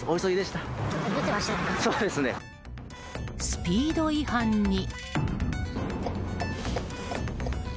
スピード違反に。